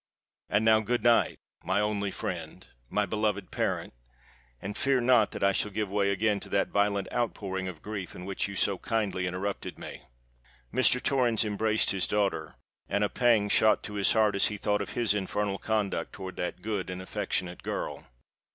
And now, good night, my only friend—my beloved parent; and fear not that I shall give way again to that violent outpouring of grief in which you so kindly interrupted me." Mr. Torrens embraced his daughter, and a pang shot to his heart as he thought of his infernal conduct towards that good and affectionate girl!